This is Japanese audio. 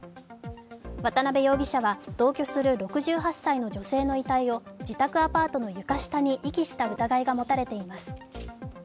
渡辺容疑者は同居する６８歳の女性の遺体を自宅アパートの床下に遺棄した疑いが持たれています。